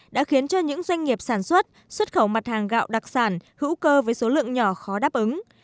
đã khiến cho những doanh nghiệp sản xuất xuất khẩu mặt hàng gạo đặc sản hữu cơ với số lượng nhỏ khó đáp ứng